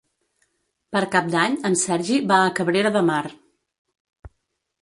Per Cap d'Any en Sergi va a Cabrera de Mar.